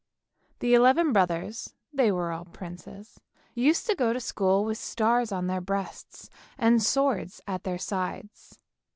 The eleven brothers — they were all princes — used to go to school with stars on their breasts and swords at their sides.